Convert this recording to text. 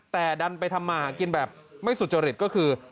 แต่ดันไปทำมาหากินแบบไม่สุจริตก็คือ